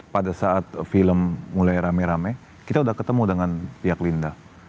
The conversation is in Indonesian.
pada saat film mulai rame rame kita udah ketemu dengan pihak linda